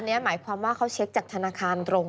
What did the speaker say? อันนี้หมายความว่าเขาเช็คจากธนาคารตรง